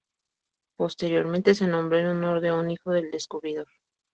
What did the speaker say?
Posteriormente se nombró en honor de un hijo del descubridor.